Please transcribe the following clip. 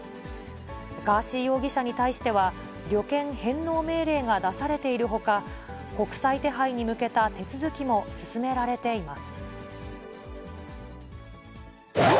ガーシー容疑者に対しては、旅券返納命令が出されているほか、国際手配に向けた手続きも進められています。